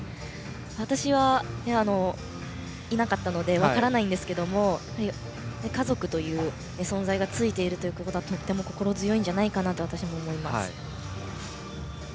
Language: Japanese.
私はいなかったので分からないんですけれども家族という存在がついているということはとても心強いんじゃないかなと私は思います。